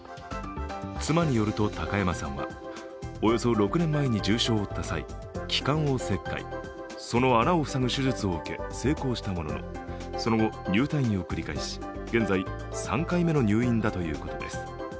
妻によると高山さんはおよそ６年前に重傷を負った際、その穴を塞ぐ手術を受け成功したもののその後、入退院を繰り返し現在、３回目の入院だということです。